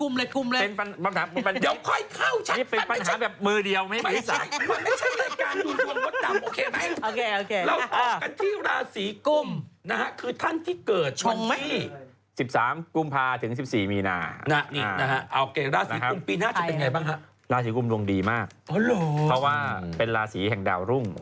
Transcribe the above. มดดำหนีพระราคูเข้าอยู่